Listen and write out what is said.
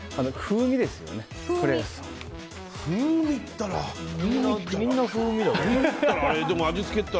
風味といったらみんな風味よね。